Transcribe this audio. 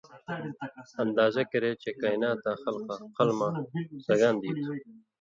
اندازہ کری چے کائناتاں خالق قلماں سگان دی تُھو۔